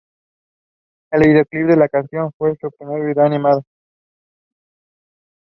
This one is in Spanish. El videoclip de la canción fue su primer video animado.